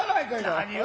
何を。